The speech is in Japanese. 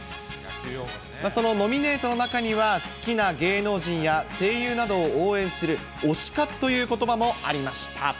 そのノミネートの中には好きな芸能人や声優などを応援する推し活ということばもありました。